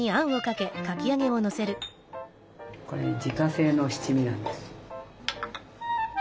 これ自家製の七味なんです。